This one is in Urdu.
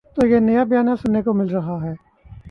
تو یہ نیا بیانیہ سننے کو مل رہا ہے۔